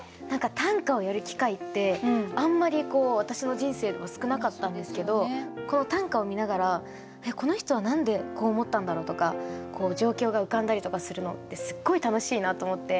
短歌をやる機会ってあんまり私の人生では少なかったんですけど短歌を見ながら「えっこの人は何でこう思ったんだろう？」とか状況が浮かんだりとかするのってすっごい楽しいなと思って。